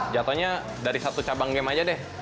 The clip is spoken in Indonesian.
jatuhnya dari satu cabang game aja deh